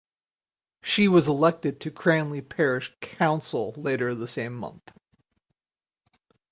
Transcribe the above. She was elected to Cranleigh Parish Council later the same month.